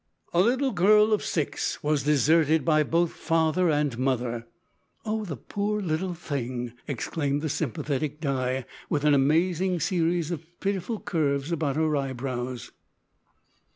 "A little girl of six was deserted by both father and mother." "Oh! poor little thing!" exclaimed the sympathetic Di, with an amazing series of pitiful curves about her eyebrows.